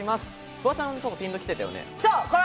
フワちゃんピンと来てたよね。